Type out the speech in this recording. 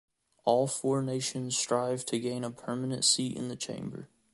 All four nations strive to gain a permanent seat in the chamber.